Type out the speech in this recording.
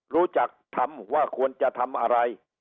รู้จักทำว่าควรจะทำอะไร